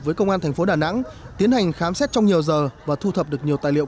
với công an thành phố đà nẵng tiến hành khám xét trong nhiều giờ và thu thập được nhiều tài liệu